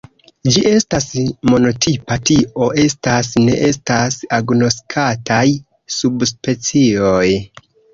Ĝi estas monotipa, tio estas, ne estas agnoskataj subspecioj.